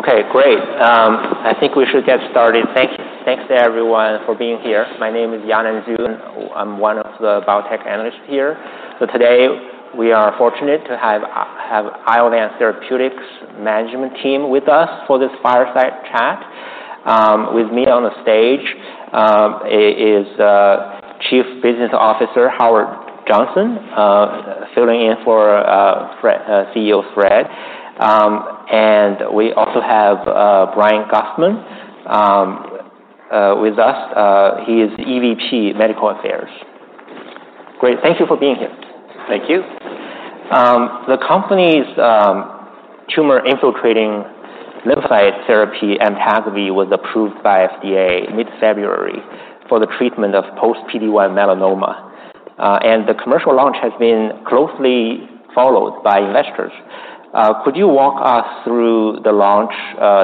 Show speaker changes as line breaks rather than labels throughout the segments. Okay, great. I think we should get started. Thank you. Thanks to everyone for being here. My name is Yanan Zhu. I'm one of the biotech analysts here. So today, we are fortunate to have Iovance Biotherapeutics management team with us for this fireside chat. With me on the stage is Chief Business Officer, Howard Johnson, filling in for Fred, CEO Fred. And we also have Brian Gastman with us. He is EVP, Medical Affairs. Great, thank you for being here.
Thank you.
The company's tumor-infiltrating lymphocyte therapy, Amtagvi, was approved by FDA mid-February for the treatment of post-PD-1 melanoma. And the commercial launch has been closely followed by investors. Could you walk us through the launch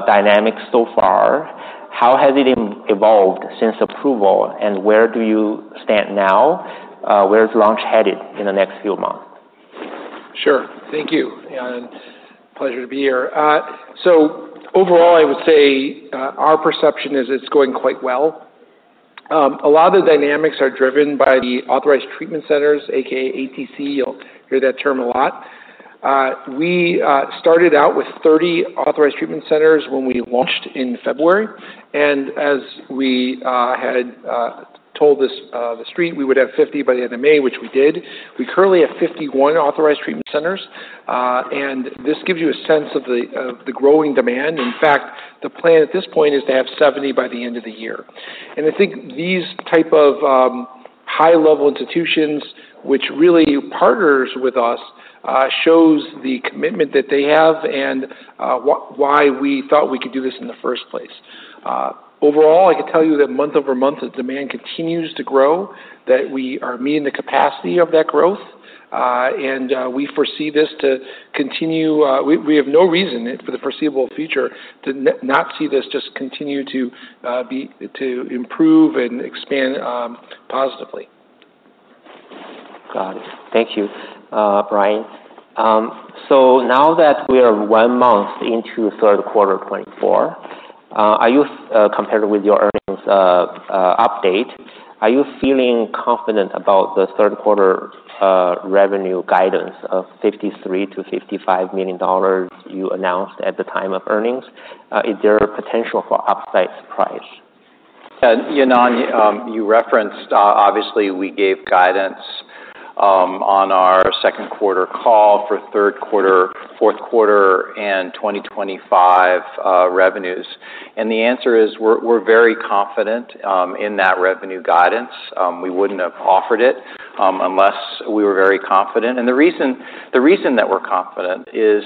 dynamics so far? How has it evolved since approval, and where do you stand now? Where's the launch headed in the next few months?
Sure. Thank you, Yanan. Pleasure to be here. So overall, I would say, our perception is it's going quite well. A lot of the dynamics are driven by the authorized treatment centers, aka ATC. You'll hear that term a lot. We started out with 30 authorized treatment centers when we launched in February, and as we had told this, the street, we would have 50 by the end of May, which we did. We currently have 51 authorized treatment centers, and this gives you a sense of the growing demand. In fact, the plan at this point is to have 70 by the end of the year. I think these type of high-level institutions, which really partners with us, shows the commitment that they have and why we thought we could do this in the first place. Overall, I can tell you that month over month, the demand continues to grow, that we are meeting the capacity of that growth, and we foresee this to continue. We have no reason for the foreseeable future to not see this just continue to be to improve and expand positively.
Got it. Thank you, Brian. So now that we are one month into third quarter 2024, are you, compared with your earnings update, are you feeling confident about the third quarter revenue guidance of $53 million-$55 million you announced at the time of earnings? Is there a potential for upside surprise?
Yanan, you referenced obviously we gave guidance on our second quarter call for third quarter, fourth quarter, and 2025 revenues. And the answer is, we're very confident in that revenue guidance. We wouldn't have offered it unless we were very confident. And the reason that we're confident is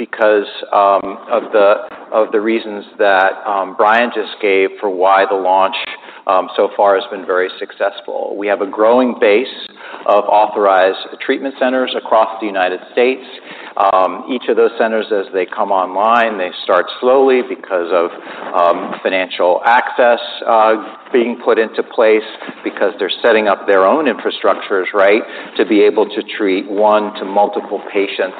because of the reasons that Brian just gave for why the launch so far has been very successful. We have a growing base of authorized treatment centers across the United States. Each of those centers, as they come online, they start slowly because of financial access being put into place because they're setting up their own infrastructures, right, to be able to treat one to multiple patients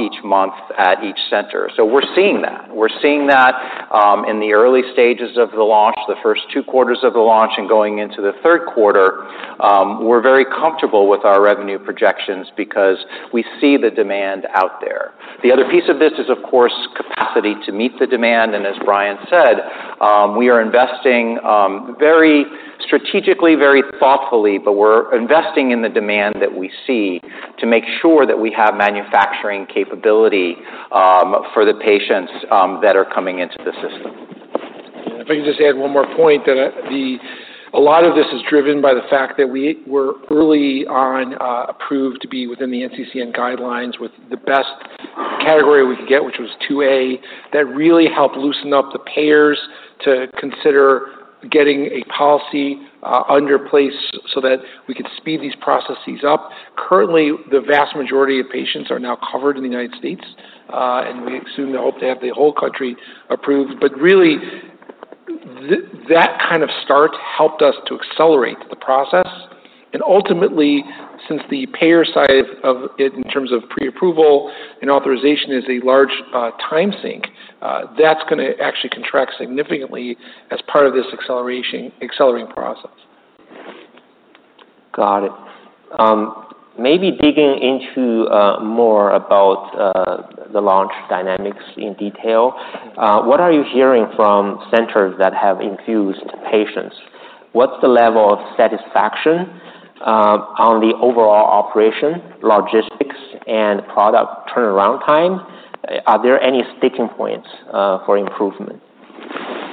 each month at each center. So we're seeing that. We're seeing that, in the early stages of the launch, the first two quarters of the launch, and going into the third quarter. We're very comfortable with our revenue projections because we see the demand out there. The other piece of this is, of course, capacity to meet the demand, and as Brian said, we are investing, very strategically, very thoughtfully, but we're investing in the demand that we see to make sure that we have manufacturing capability, for the patients, that are coming into the system.
If I can just add one more point. A lot of this is driven by the fact that we were early on approved to be within the NCCN guidelines with the best category we could get, which was 2A. That really helped loosen up the payers to consider getting a policy in place so that we could speed these processes up. Currently, the vast majority of patients are now covered in the United States, and we soon hope to have the whole country approved. But really, that kind of start helped us to accelerate the process. And ultimately, since the payer side of it, in terms of pre-approval and authorization, is a large time sink, that's gonna actually contract significantly as part of this acceleration, accelerating process.
Got it. Maybe digging into more about the launch dynamics in detail, what are you hearing from centers that have infused patients? What's the level of satisfaction on the overall operation, logistics, and product turnaround time? Are there any sticking points for improvement?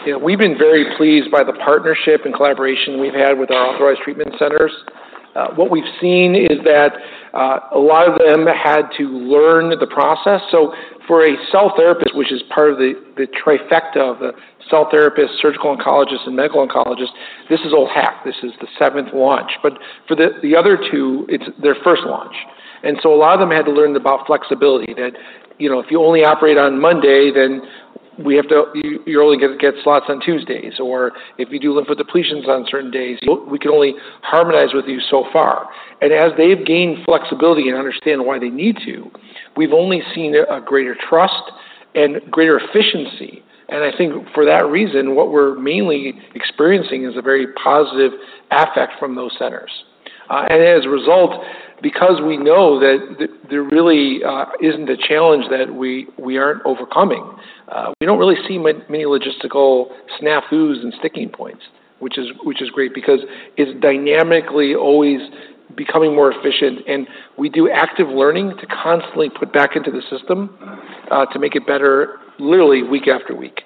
Yeah. We've been very pleased by the partnership and collaboration we've had with our authorized treatment centers. What we've seen is that a lot of them had to learn the process. So for a cell therapist, which is part of the trifecta of the cell therapist, surgical oncologist, and medical oncologist, this is old hat. This is the seventh launch. But for the other two, it's their first launch. And so a lot of them had to learn about flexibility, that, you know, if you only operate on Monday, then we have to—you, you're only gonna get slots on Tuesdays, or if you do lymphodepletions on certain days, we can only harmonize with you so far. And as they've gained flexibility and understand why they need to, we've only seen a greater trust and greater efficiency. I think for that reason, what we're mainly experiencing is a very positive effect from those centers. As a result, because we know that there really isn't a challenge that we aren't overcoming, we don't really see many logistical snafus and sticking points, which is great because it's dynamically always becoming more efficient, and we do active learning to constantly put back into the system to make it better literally week after week.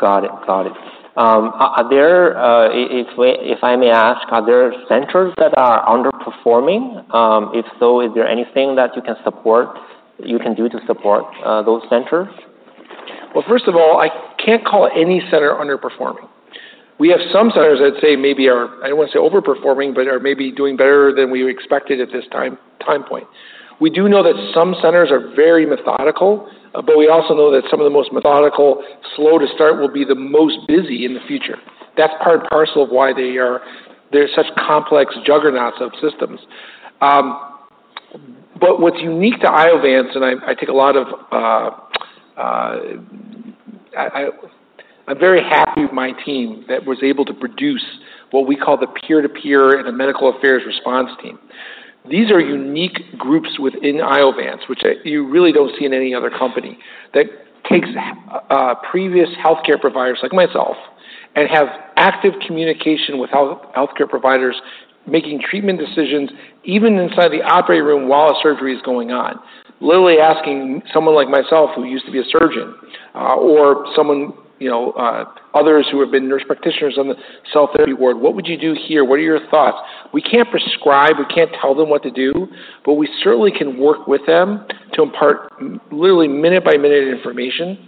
Got it. Got it. Are there, if I may ask, centers that are underperforming? If so, is there anything that you can do to support those centers?
Well, first of all, I can't call any center underperforming. We have some centers I'd say maybe are. I don't want to say overperforming, but are maybe doing better than we expected at this time, time point. We do know that some centers are very methodical, but we also know that some of the most methodical, slow to start, will be the most busy in the future. That's part and parcel of why they are, they're such complex juggernauts of systems. But what's unique to Iovance, and I take a lot of, I'm very happy with my team that was able to produce what we call the peer-to-peer and the medical affairs response team. These are unique groups within Iovance, which you really don't see in any other company, that takes previous healthcare providers, like myself, and have active communication with healthcare providers, making treatment decisions, even inside the operating room while a surgery is going on. Literally asking someone like myself, who used to be a surgeon, or someone, you know, others who have been nurse practitioners on the cell therapy ward, "What would you do here? What are your thoughts?" We can't prescribe, we can't tell them what to do, but we certainly can work with them to impart literally minute-by-minute information,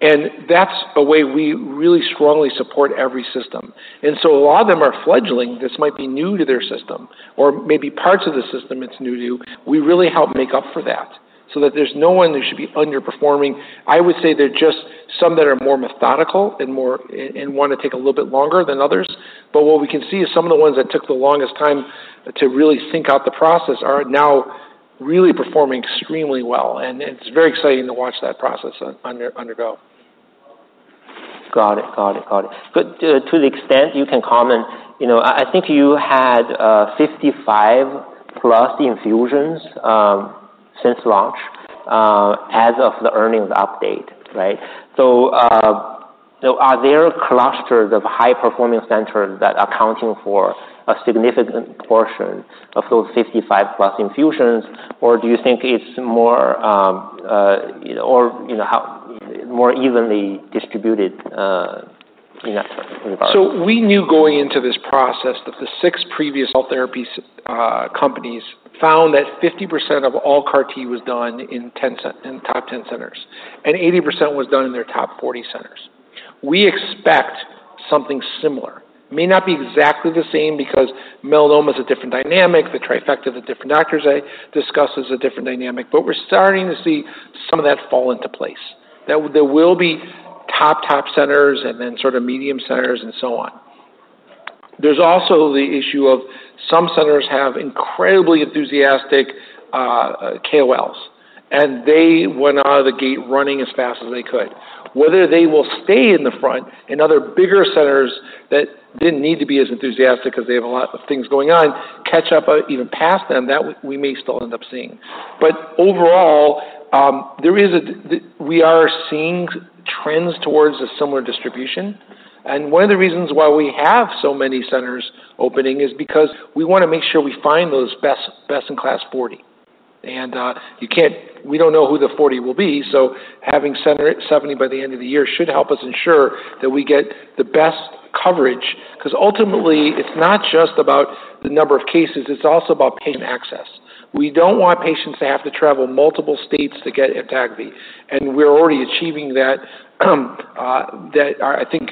and that's a way we really strongly support every system, and so a lot of them are fledgling. This might be new to their system, or maybe parts of the system it's new to. We really help make up for that, so that there's no one that should be underperforming. I would say there are just some that are more methodical and more and want to take a little bit longer than others, but what we can see is some of the ones that took the longest time to really think out the process are now really performing extremely well, and it's very exciting to watch that process undergo.
Got it. But to the extent you can comment, you know, I think you had 55+ infusions since launch as of the earnings update, right? So, so are there clusters of high-performing centers that are accounting for a significant portion of those 55+ infusions, or do you think it's more, or, you know, how more evenly distributed in that regard?
So we knew going into this process that the six previous cell therapies companies found that 50% of all CAR T was done in top 10 centers, and 80% was done in their top 40 centers. We expect something similar. May not be exactly the same because melanoma is a different dynamic, the trifecta of the different doctors I discussed is a different dynamic, but we're starting to see some of that fall into place. There will be top centers and then sort of medium centers and so on. There's also the issue of some centers have incredibly enthusiastic KOLs, and they went out of the gate running as fast as they could. Whether they will stay in the front and other bigger centers that didn't need to be as enthusiastic because they have a lot of things going on, catch up or even pass them, that we may still end up seeing. But overall, we are seeing trends towards a similar distribution. And one of the reasons why we have so many centers opening is because we wanna make sure we find those best, best-in-class 40. And, we don't know who the 40 will be, so having 70 by the end of the year should help us ensure that we get the best coverage. Because ultimately, it's not just about the number of cases, it's also about patient access. We don't want patients to have to travel multiple states to get Amtagvi, and we're already achieving that. I think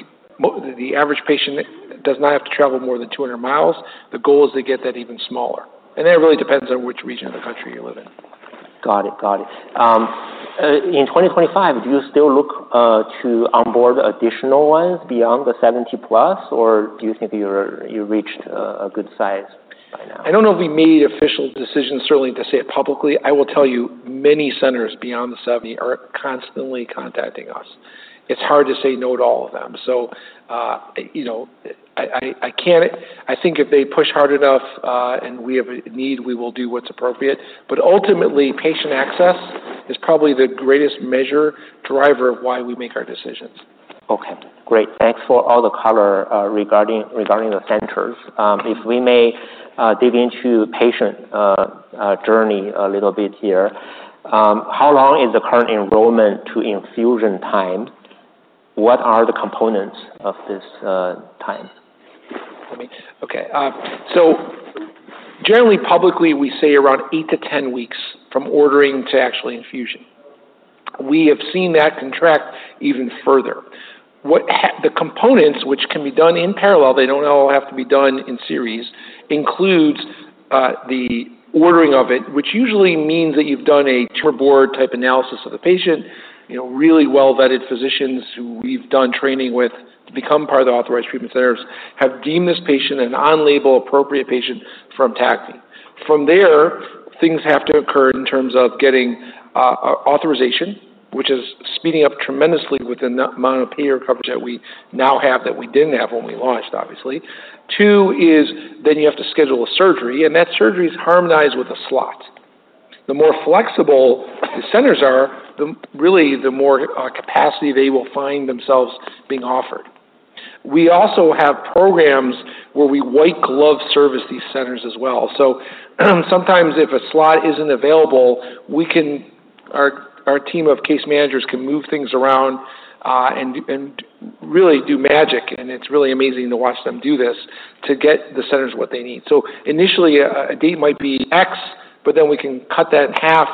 the average patient does not have to travel more than 200 mi. The goal is to get that even smaller, and that really depends on which region of the country you live in.
Got it. In 2025, do you still look to onboard additional ones beyond the 70+, or do you think you reached a good size by now?
I don't know if we made official decisions, certainly, to say it publicly. I will tell you, many centers beyond the 70 are constantly contacting us. It's hard to say no to all of them. So, you know, I can't- I think if they push hard enough, and we have a need, we will do what's appropriate. But ultimately, patient access is probably the greatest measure driver of why we make our decisions.
Okay, great. Thanks for all the color regarding the centers. If we may dig into patient journey a little bit here. How long is the current enrollment to infusion time? What are the components of this time?
So generally, publicly, we say around 8 weeks-10 weeks from ordering to actual infusion. We have seen that contracted even further. The components, which can be done in parallel, they don't all have to be done in series, includes the ordering of it, which usually means that you've done a tumor board type analysis of the patient. You know, really well-vetted physicians who we've done training with to become part of the authorized treatment centers, have deemed this patient an on-label, appropriate patient for Amtagvi. From there, things have to occur in terms of getting authorization, which is speeding up tremendously with the amount of payer coverage that we now have that we didn't have when we launched, obviously. Two is then you have to schedule a surgery, and that surgery is harmonized with a slot. The more flexible the centers are, the more capacity they will find themselves being offered. We also have programs where we white-glove service these centers as well. Sometimes if a slot isn't available, we can, our team of case managers can move things around and really do magic, and it's really amazing to watch them do this, to get the centers what they need. Initially, a date might be X, but then we can cut that in half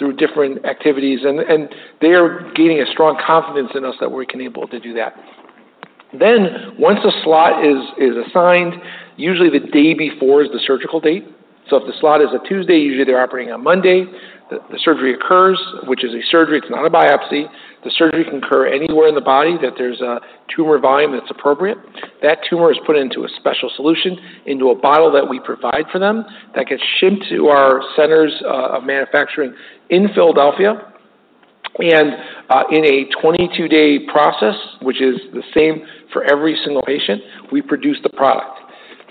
through different activities, and they are gaining a strong confidence in us that we're able to do that. Once a slot is assigned, usually the day before is the surgical date. If the slot is a Tuesday, usually they're operating on Monday. The surgery occurs, which is a surgery. It's not a biopsy. The surgery can occur anywhere in the body, that there's a tumor volume that's appropriate. That tumor is put into a special solution, into a bottle that we provide for them, that gets shipped to our centers of manufacturing in Philadelphia, and in a 22-day process, which is the same for every single patient, we produce the product.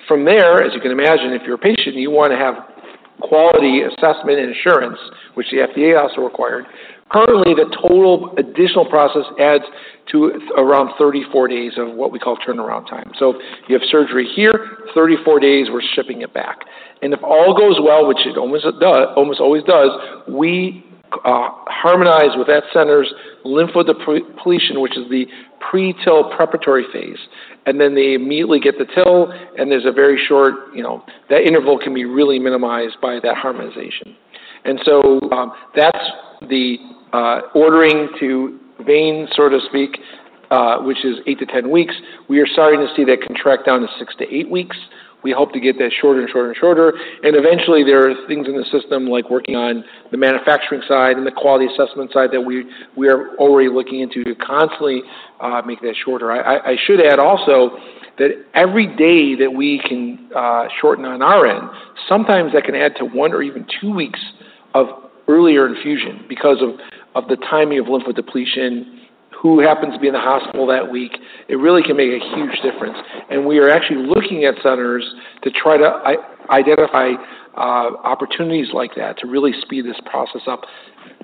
From there, as you can imagine, if you're a patient, you want to have quality assessment and assurance, which the FDA also required. Currently, the total additional process adds to around 34 days of what we call turnaround time. So you have surgery here, 34 days, we're shipping it back. And if all goes well, which it almost always does, we harmonize with that center's lymphodepletion, which is the pre-TIL preparatory phase, and then they immediately get the TIL, and there's a very short, you know. That interval can be really minimized by that harmonization. And so, that's the ordering to vein, so to speak, which is 8 weeks-10 weeks. We are starting to see that come down to 6 weeks-8 weeks. We hope to get that shorter and shorter and shorter, and eventually there are things in the system like working on the manufacturing side and the quality assessment side that we are already looking into to constantly make that shorter. I should add also that every day that we can shorten on our end, sometimes that can add to one or even two weeks of earlier infusion because of the timing of lymphodepletion, which happens to be in the hospital that week. It really can make a huge difference, and we are actually looking at centers to try to identify opportunities like that to really speed this process up,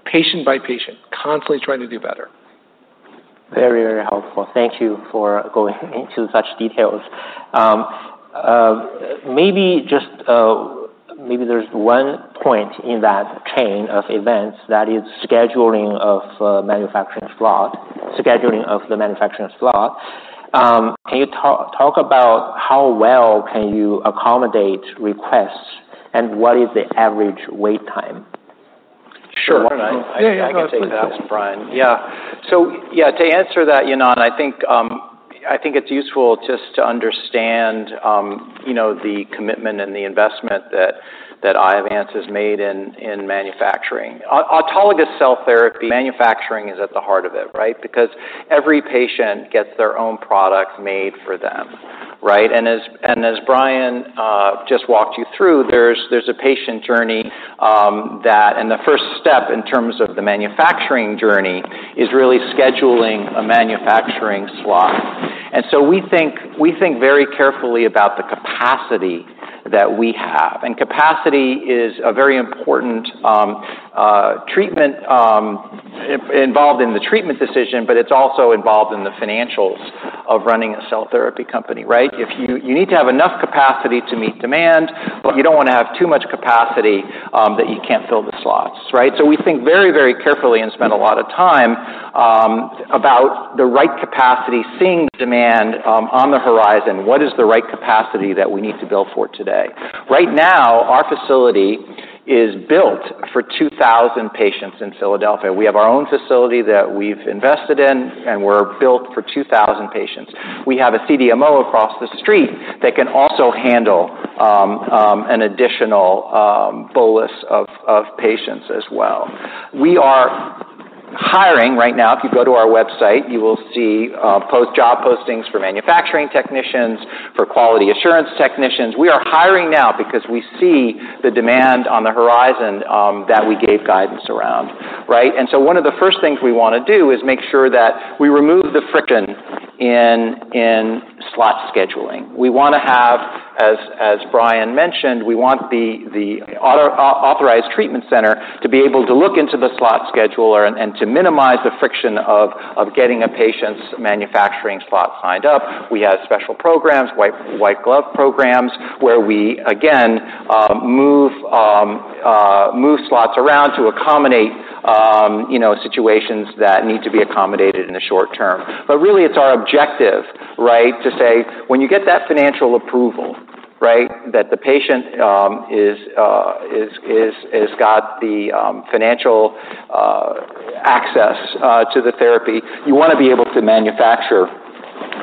patient by patient, constantly trying to do better.
Very, very helpful. Thank you for going into such details. Maybe just, maybe there's one point in that chain of events that is scheduling of the manufacturing slot. Can you talk about how well can you accommodate requests, and what is the average wait time?
Sure.
Why don't I-
Yeah, go ahead.
I can take that, Brian. Yeah. So yeah, to answer that, Yanan, I think it's useful just to understand, you know, the commitment and the investment that, that Iovance has made in, in manufacturing. Autologous cell therapy manufacturing is at the heart of it, right? Because every patient gets their own product made for them, right? As and as Brian just walked you through, there's, there's a patient journey, that. The first step in terms of the manufacturing journey is really scheduling a manufacturing slot. We think, we think very carefully about the capacity that we have, and capacity is a very important treatment involved in the treatment decision, but it's also involved in the financials of running a cell therapy company, right? If you need to have enough capacity to meet demand, but you don't want to have too much capacity that you can't fill the slots, right? So we think very, very carefully and spend a lot of time about the right capacity, seeing the demand on the horizon. What is the right capacity that we need to build for today? Right now, our facility is built for 2,000 patients in Philadelphia. We have our own facility that we've invested in, and we're built for 2,000 patients. We have a CDMO across the street that can also handle an additional bolus of patients as well. We are hiring right now. If you go to our website, you will see posted job postings for manufacturing technicians, for quality assurance technicians. We are hiring now because we see the demand on the horizon, that we gave guidance around, right? And so one of the first things we want to do is make sure that we remove the friction in slot scheduling. We want to have, as Brian mentioned, we want the authorized treatment center to be able to look into the slot scheduler and to minimize the friction of getting a patient's manufacturing slot signed up. We have special programs, white glove programs, where we, again, move slots around to accommodate, you know, situations that need to be accommodated in the short term. But really, it's our objective, right, to say, when you get that financial approval, right, that the patient has got the financial access to the therapy. You want to be able to manufacture,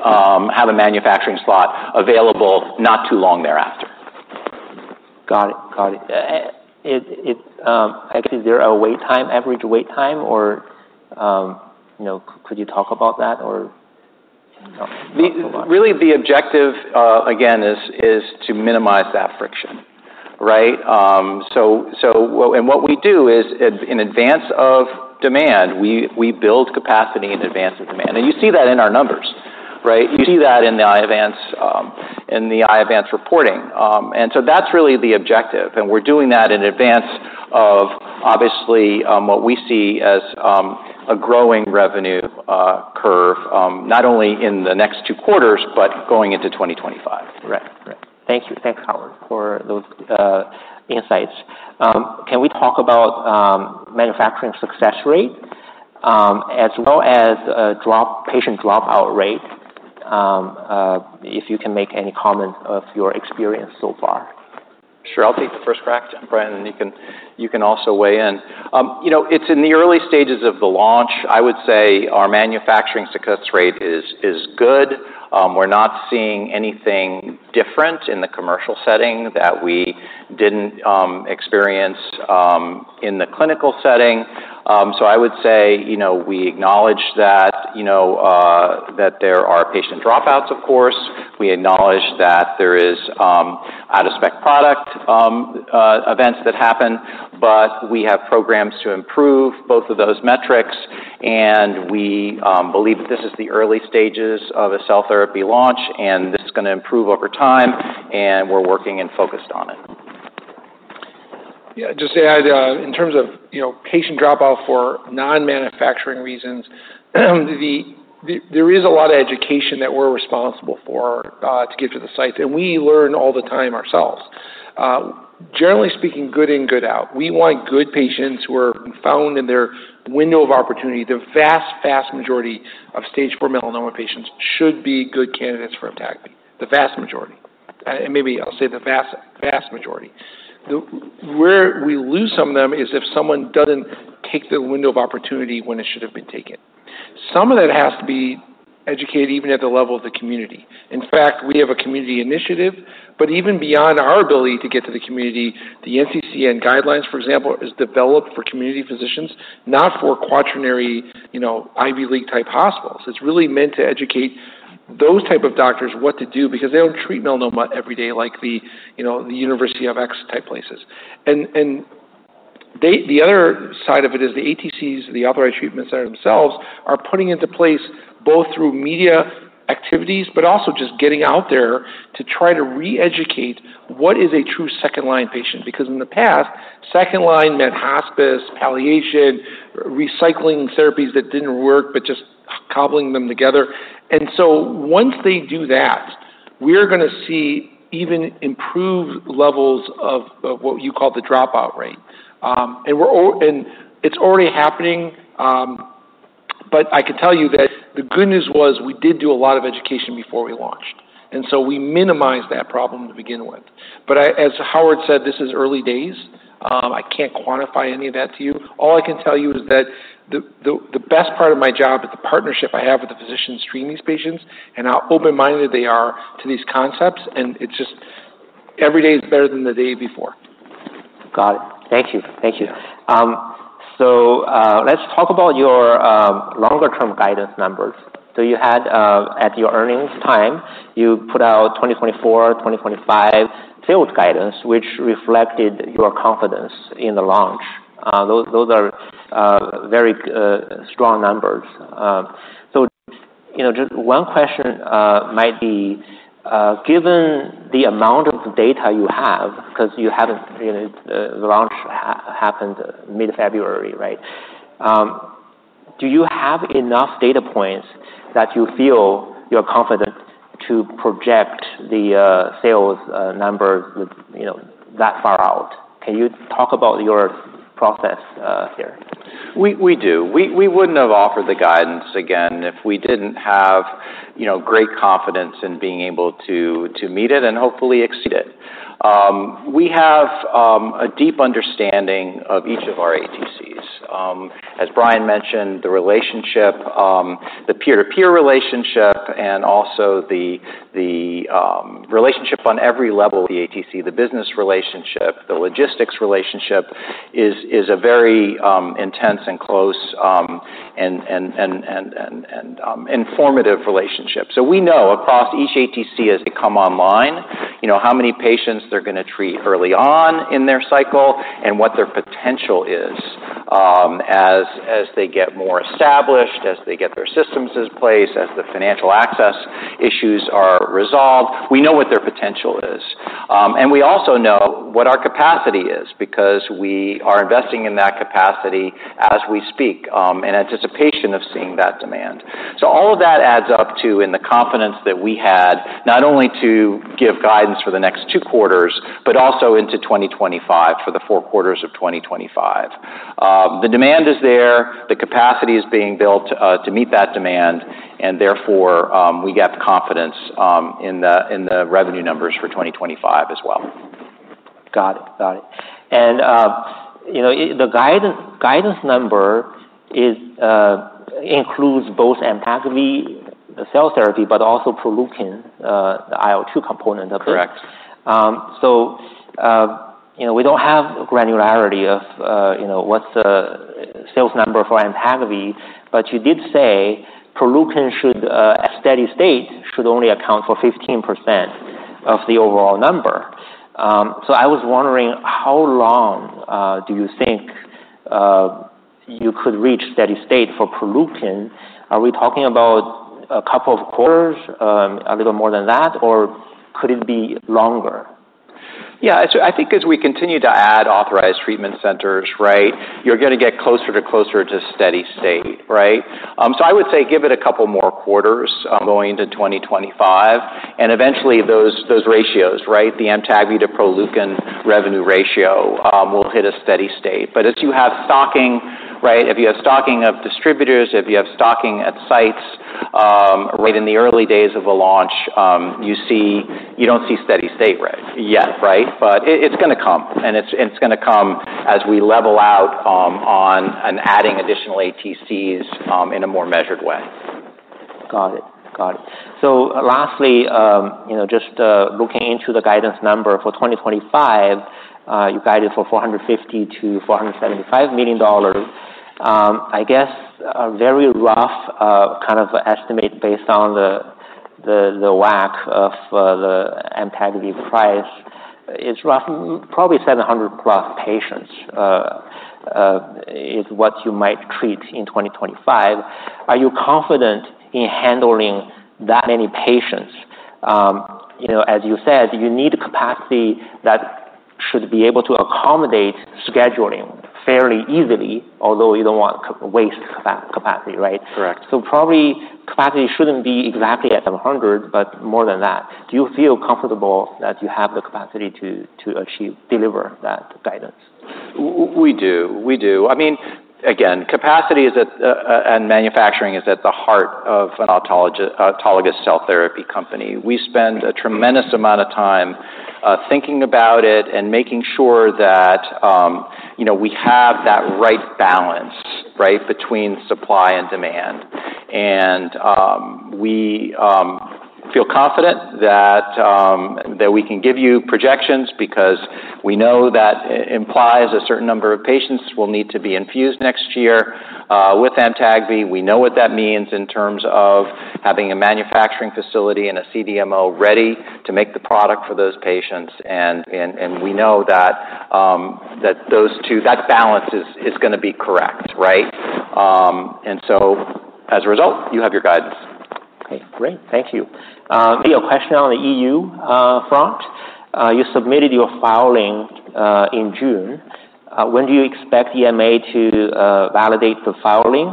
have a manufacturing slot available not too long thereafter.
Got it. I guess, is there a wait time, average wait time or, you know, could you talk about that or?
Really, the objective, again, is to minimize that friction, right? So, and what we do is, in advance of demand, we build capacity in advance of demand. And you see that in our numbers, right? You see that in the Iovance, in the Iovance reporting. And so that's really the objective, and we're doing that in advance of, obviously, what we see as a growing revenue curve, not only in the next two quarters, but going into 2025.
Right. Right. Thank you. Thanks, Howard, for those insights. Can we talk about manufacturing success rate, as well as patient dropout rate, if you can make any comment of your experience so far?
Sure, I'll take the first crack, Brian, and you can also weigh in. You know, it's in the early stages of the launch. I would say our manufacturing success rate is good. We're not seeing anything different in the commercial setting that we didn't experience in the clinical setting. So I would say, you know, we acknowledge that, you know, that there are patient dropouts, of course. We acknowledge that there is out-of-spec product events that happen, but we have programs to improve both of those metrics, and we believe that this is the early stages of a cell therapy launch, and this is gonna improve over time, and we're working and focused on it.
Yeah, just to add, in terms of, you know, patient dropout for non-manufacturing reasons, there is a lot of education that we're responsible for to give to the sites, and we learn all the time ourselves. Generally speaking, good in, good out. We want good patients who are found in their window of opportunity. The vast, vast majority of Stage IV melanoma patients should be good candidates for Amtagvi, the vast majority, and maybe I'll say the vast, vast majority. Where we lose some of them is if someone doesn't take the window of opportunity when it should have been taken. Some of that has to be educated even at the level of the community. In fact, we have a community initiative, but even beyond our ability to get to the community, the NCCN guidelines, for example, is developed for community physicians, not for quaternary, you know, Ivy League-type hospitals. It's really meant to educate those type of doctors what to do because they don't treat melanoma every day like the, you know, the University of X type places. And they, the other side of it is the ATCs, the authorized treatment center themselves, are putting into place, both through media activities, but also just getting out there, to try to re-educate what is a true second-line patient. Because in the past, second line meant hospice, palliation, recycling therapies that didn't work, but just cobbling them together. And so once they do that, we're gonna see even improved levels of what you call the dropout rate. And it's already happening, but I can tell you that the good news was we did do a lot of education before we launched, and so we minimized that problem to begin with. But as Howard said, this is early days. I can't quantify any of that to you. All I can tell you is that the best part of my job is the partnership I have with the physicians treating these patients and how open-minded they are to these concepts, and it's just every day is better than the day before.
Got it. Thank you. Thank you. So, let's talk about your longer-term guidance numbers. So you had, at your earnings time, you put out 2024, 2025 sales guidance, which reflected your confidence in the launch. Those are very strong numbers. So, you know, just one question might be given the amount of data you have, because you haven't, you know, the launch happened mid-February, right? Do you have enough data points that you feel you're confident to project the sales numbers with, you know, that far out? Can you talk about your process here?
We do. We wouldn't have offered the guidance, again, if we didn't have, you know, great confidence in being able to meet it and hopefully exceed it. We have a deep understanding of each of our ATCs. As Brian mentioned, the relationship, the peer-to-peer relationship and also the relationship on every level of the ATC, the business relationship, the logistics relationship, is a very intense and close and informative relationship. So we know across each ATC as they come online, you know, how many patients they're gonna treat early on in their cycle and what their potential is, as they get more established, as they get their systems in place, as the financial access issues are resolved. We know what their potential is. And we also know what our capacity is because we are investing in that capacity as we speak, in anticipation of seeing that demand. So all of that adds up to the confidence that we had, not only to give guidance for the next two quarters, but also into 2025, for the four quarters of 2025. The demand is there, the capacity is being built to meet that demand, and therefore we have confidence in the revenue numbers for 2025 as well.
Got it. Got it. And you know, the guidance number includes both Amtagvi, the cell therapy, but also Proleukin, the IL-2 component of it?
Correct.
So, you know, we don't have granularity of, you know, what's the sales number for Amtagvi, but you did say Proleukin should, at steady state, should only account for 15% of the overall number. So I was wondering, how long do you think you could reach steady state for Proleukin? Are we talking about a couple of quarters, a little more than that, or could it be longer?
Yeah, so I think as we continue to add authorized treatment centers, right, you're gonna get closer to steady state, right? So I would say give it a couple more quarters, going into 2025, and eventually those ratios, right, the Amtagvi to Proleukin revenue ratio, will hit a steady state. But as you have stocking, right, if you have stocking of distributors, if you have stocking at sites, right in the early days of a launch, you don't see steady state, right? Yet, right. But it's gonna come, and it's gonna come as we level out on adding additional ATCs in a more measured way.
Got it. Got it. So lastly, you know, just, looking into the guidance number for 2025, you guided for $450 million-$475 million. I guess a very rough, kind of estimate based on the, the, the WAC of, the Amtagvi price is roughly probably 700+ patients, is what you might treat in 2025. Are you confident in handling that many patients? You know, as you said, you need capacity that should be able to accommodate scheduling fairly easily, although you don't want waste capacity, right?
Correct.
So probably capacity shouldn't be exactly at 700, but more than that. Do you feel comfortable that you have the capacity to achieve, deliver that guidance?
We do. I mean, again, capacity is at, and manufacturing is at the heart of an autologous cell therapy company. We spend a tremendous amount of time, thinking about it and making sure that, you know, we have that right balance, right, between supply and demand. And, we, feel confident that, that we can give you projections because we know that implies a certain number of patients will need to be infused next year, with Amtagvi. We know what that means in terms of having a manufacturing facility and a CDMO ready to make the product for those patients, and, we know that, that those two, that balance is gonna be correct, right? And so as a result, you have your guidance.
Okay, great. Thank you. Maybe a question on the EU front. You submitted your filing in June. When do you expect EMA to validate the filing?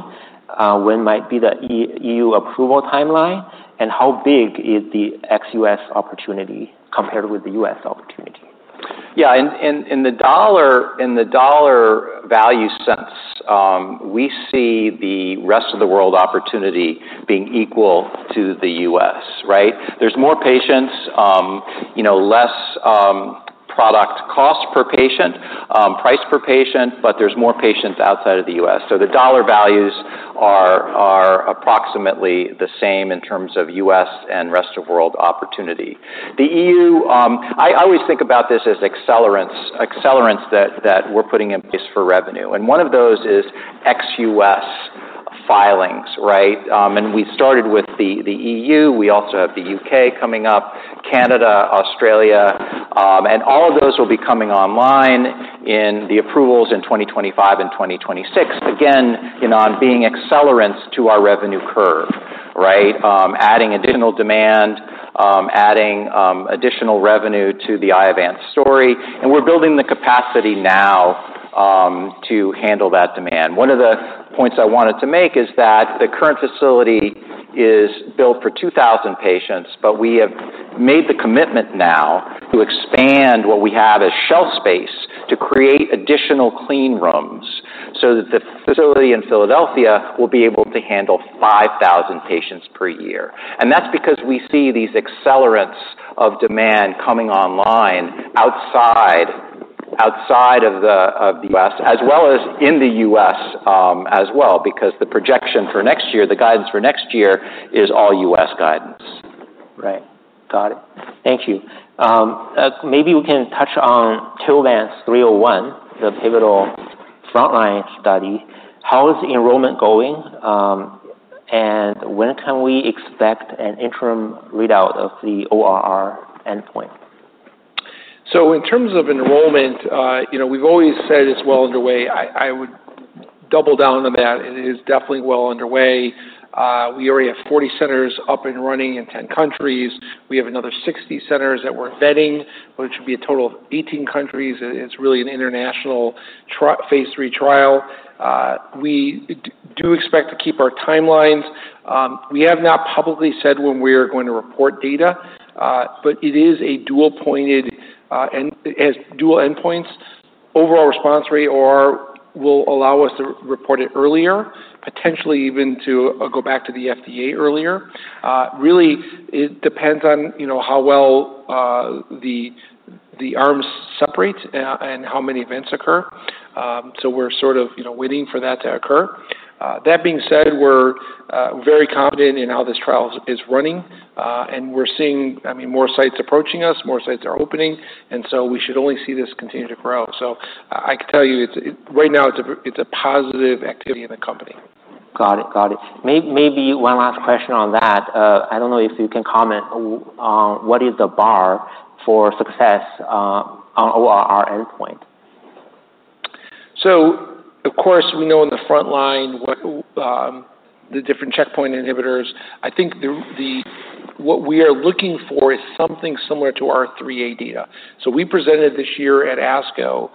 When might be the EU approval timeline, and how big is the ex-US opportunity compared with the US opportunity?
Yeah, in the dollar value sense, we see the rest of the world opportunity being equal to the U.S., right? There's more patients, you know, less product cost per patient, price per patient, but there's more patients outside of the U.S. So the dollar values are approximately the same in terms of U.S. and rest of world opportunity. The E.U.- I always think about this as accelerants that we're putting in place for revenue, and one of those is ex-U.S. filings, right? And we started with the E.U. We also have the U.K. coming up, Canada, Australia, and all of those will be coming online in the approvals in 2025 and 2026. Again, you know, on being accelerants to our revenue curve, right? Adding additional demand, adding additional revenue to the Iovance story, and we're building the capacity now to handle that demand. One of the points I wanted to make is that the current facility is built for 2,000 patients, but we have made the commitment now to expand what we have as shelf space to create additional clean rooms so that the facility in Philadelphia will be able to handle 5,000 patients per year, and that's because we see these accelerants of demand coming online outside of the U.S., as well as in the U.S., as well, because the projection for next year, the guidance for next year is all U.S. guidance.
Right. Got it. Thank you. Maybe we can touch on TILVANCE-301, the pivotal frontline study. How is the enrollment going, and when can we expect an interim readout of the ORR endpoint?
So in terms of enrollment, you know, we've always said it's well underway. I would double down on that, it is definitely well underway. We already have 40 centers up and running in 10 countries. We have another 60 centers that we're vetting, which would be a total of 18 countries. It's really an international Phase III trial. We do expect to keep our timelines. We have not publicly said when we are going to report data, but it is a dual primary, and it has dual endpoints. Overall Response Rate, ORR, will allow us to report it earlier, potentially even to go back to the FDA earlier. Really, it depends on, you know, how well the arms separate, and how many events occur. So we're sort of, you know, waiting for that to occur. That being said, we're very confident in how this trial is running, and we're seeing, I mean, more sites approaching us, more sites are opening, and so we should only see this continue to grow. So I can tell you, right now, it's a positive activity in the company.
Got it. Maybe one last question on that. I don't know if you can comment on what is the bar for success on ORR endpoint?
Of course, we know in the frontline what the different checkpoint inhibitors. I think what we are looking for is something similar to our 3A data. We presented this year at ASCO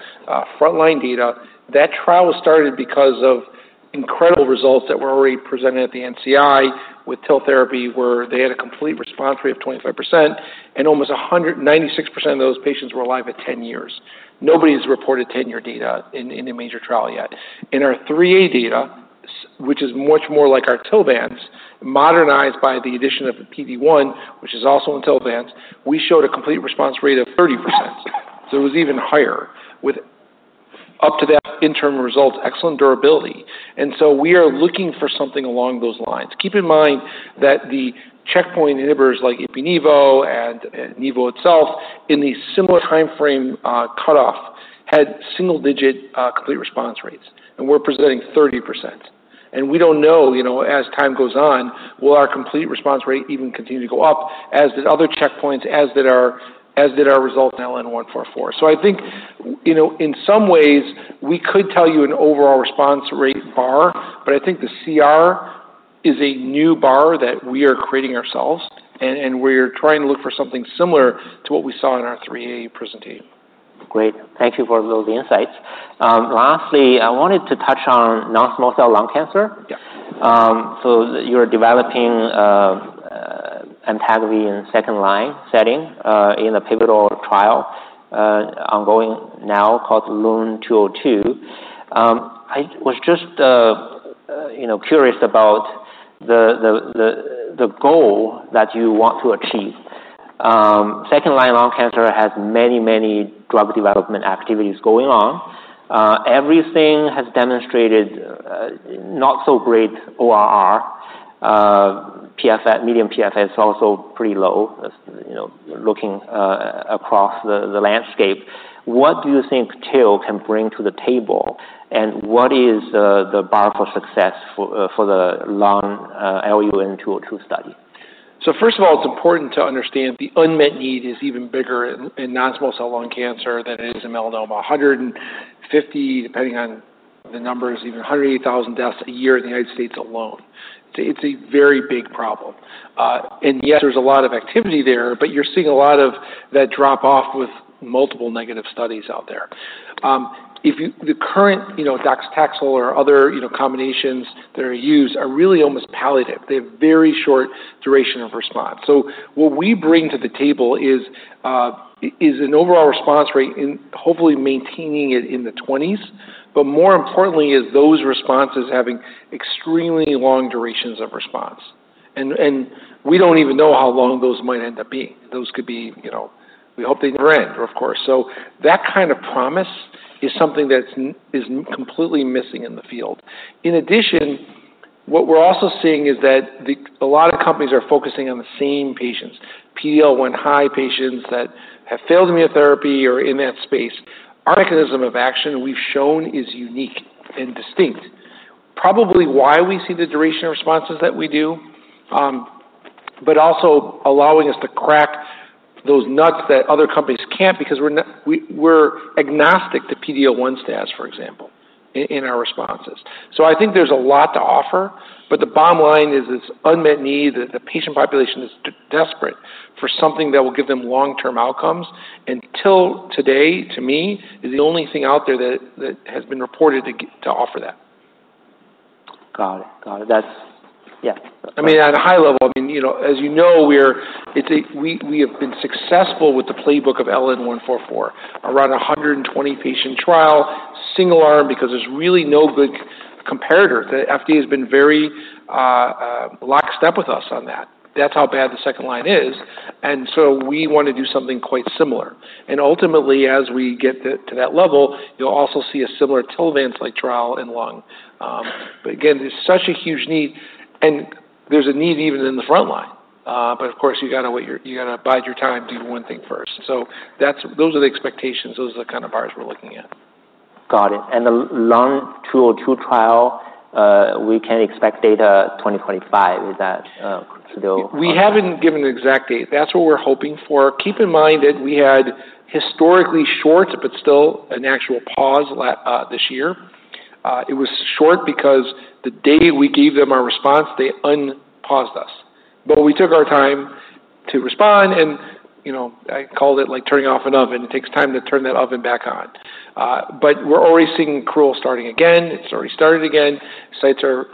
frontline data. That trial was started because of incredible results that were already presented at the NCI with TIL therapy, where they had a complete response rate of 25%, and 96% of those patients were alive at 10 years. Nobody's reported 10-year data in a major trial yet. In our 3A data, which is much more like our TILVANCE, modernized by the addition of the PD-1, which is also in TILVANCE, we showed a complete response rate of 30%. So it was even higher, with up to that interim results, excellent durability. And so we are looking for something along those lines. Keep in mind that the checkpoint inhibitors like ipi/nivo and nivo itself, in the similar timeframe cutoff, had single-digit complete response rates, and we're presenting 30%. And we don't know, you know, as time goes on, will our complete response rate even continue to go up, as did other checkpoints, as did our result in LN-144? So I think, you know, in some ways, we could tell you an overall response rate bar, but I think the CR is a new bar that we are creating ourselves, and we're trying to look for something similar to what we saw in our 3A presentation.
Great. Thank you for those insights. Lastly, I wanted to touch on non-small cell lung cancer. So you're developing TIL in second-line setting in a pivotal trial ongoing now called LUN-202. I was just, you know, curious about the goal that you want to achieve. Second-line lung cancer has many, many drug development activities going on. Everything has demonstrated not so great ORR, PFS. Median PFS is also pretty low, as you know, looking across the landscape. What do you think TIL can bring to the table, and what is the bar for success for the lung LUN-202 study?
So first of all, it's important to understand the unmet need is even bigger in non-small cell lung cancer than it is in melanoma. 150, depending on the numbers, even 108,000 deaths a year in the United States alone. It's a very big problem. And yes, there's a lot of activity there, but you're seeing a lot of that drop off with multiple negative studies out there. The current, you know, docetaxel or other, you know, combinations that are used are really almost palliative. They have very short duration of response. So what we bring to the table is an overall response rate in hopefully maintaining it in the 20s, but more importantly, is those responses having extremely long durations of response. We don't even know how long those might end up being. Those could be, you know, we hope they never end, of course. That kind of promise is something that's completely missing in the field. In addition, what we're also seeing is that a lot of companies are focusing on the same patients, PD-L1 high patients that have failed immunotherapy or in that space. Our mechanism of action, we've shown, is unique and distinct. Probably why we see the duration of responses that we do, but also allowing us to crack those nuts that other companies can't, because we're agnostic to PD-L1 status, for example, in our responses. I think there's a lot to offer, but the bottom line is this unmet need, that the patient population is desperate for something that will give them long-term outcomes. TIL today, to me, is the only thing out there that has been reported to offer that.
Got it. Got it. That's... Yeah.
I mean, at a high level, I mean, you know, we have been successful with the playbook of LN-144. Around 120 patient trial, single arm, because there's really no good comparator. The FDA has been very lockstep with us on that. That's how bad the second line is, and so we want to do something quite similar. And ultimately, as we get to that level, you'll also see a similar TILVANCE-like trial in lung. But again, there's such a huge need, and there's a need even in the frontline. But of course, you gotta bide your time, do one thing first. So that's, those are the expectations, those are the kind of bars we're looking at.
Got it. And the LUN-202 trial, we can expect data 2025, is that still-
We haven't given an exact date. That's what we're hoping for. Keep in mind that we had historically short, but still an actual pause last year. It was short because the day we gave them our response, they unpaused us. But we took our time to respond and, you know, I called it like turning off an oven. It takes time to turn that oven back on. But we're already seeing accrual starting again, it's already started again. Sites are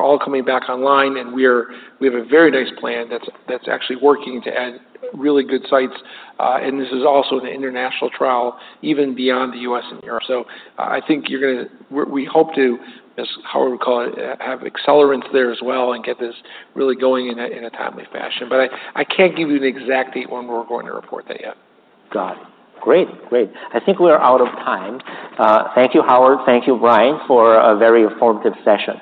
all coming back online, and we have a very nice plan that's actually working to add really good sites. And this is also the international trial, even beyond the U.S. and Europe. So I think you're gonna- we hope to, as Howard would call it, have accelerance there as well and get this really going in a timely fashion. But I can't give you the exact date when we're going to report that yet.
Got it. Great. Great. I think we are out of time. Thank you, Howard, thank you, Brian, for a very informative session.